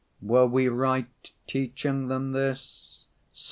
Were we right teaching them this?